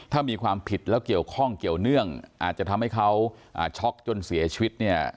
ถ้ามีความผิดแล้วเกี่ยวข้องเกี่ยวเนื่องอาจจะทำให้เขาช็อกจนเสียชีวิตเนี่ย